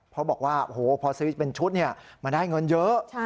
เพราะบอกว่าพอซื้อเป็นชุดมันได้เงินเยอะ